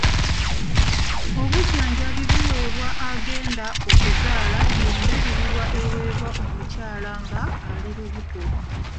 Obujjanjabi buweebwa agenda okuzaala ye ndabirira eweebwa omukyala nga ali lubuto.